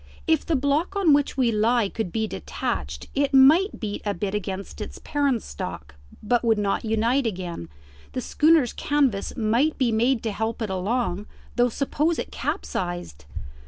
If the block on which we lie could be detached, it might beat a bit against its parent stock, but would not unite again. The schooner's canvas might be made to help it along though suppose it capsized!"